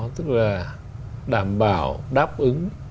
tức là đảm bảo đáp ứng